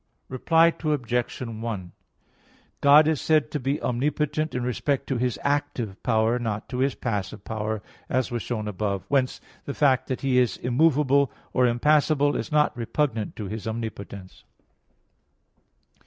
Reply Obj. 1: God is said to be omnipotent in respect to His active power, not to passive power, as was shown above (A. 1). Whence the fact that He is immovable or impassible is not repugnant to His omnipotence.